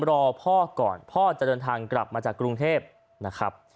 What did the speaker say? รอพ่อก่อนพ่อจะเดินทางกลับมาจากกรุงเทพนะครับ